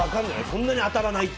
そんなに当たらないって。